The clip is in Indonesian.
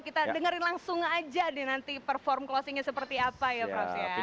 kita dengerin langsung aja nih nanti perform closingnya seperti apa ya prof ya